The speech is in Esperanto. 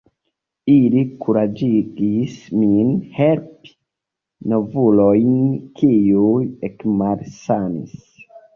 Ili kuraĝigis min helpi novulojn, kiuj ekmalsanis.